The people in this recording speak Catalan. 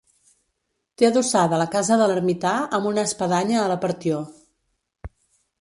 Té adossada la casa de l'ermità amb una espadanya a la partió.